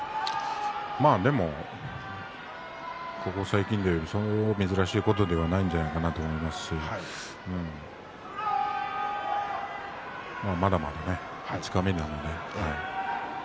まあ、でもここ最近ではそう珍しいことではないんじゃないかなと思いますしまだまだ五日目なので。